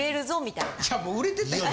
いやもう売れてたやん。